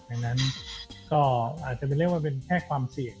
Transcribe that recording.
ดังนั้นก็อาจจะเรียกว่าเป็นแค่ความเสี่ยง